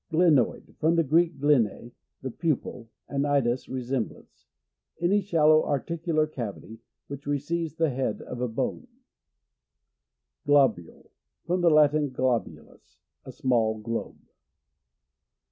Glenoid. — From the Greek, glcnc, the pupil, and eidos, resemblan; e. Any shallow articular cavity, which receives the head of a bone, j Globule. — From the Latin, globulus, a small globe.